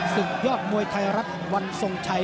ศึกยอดมวยไทยรัฐวันทรงชัย